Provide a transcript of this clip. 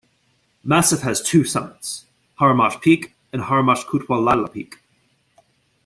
The massif has two summits, Haramosh Peak and Haramosh Kutwal Laila Peak.